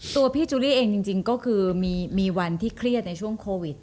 ตัวพลิกวันจุดแปียงจริงก็คือมีมีวันที่เครียดในช่วงโควิด